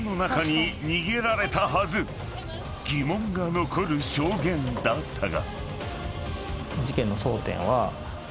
［疑問が残る証言だったが］